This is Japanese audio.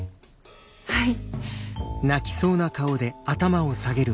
はい。